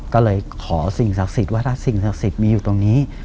ก็เลยขอสิ่งศักดิ์สิทธิ์ว่าถ้าสิ่งศักดิ์สิทธิ์มีอยู่ตรงนี้